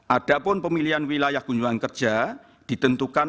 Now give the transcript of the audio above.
ada pun pemilihan wilayah kunjungan kerja ditentukan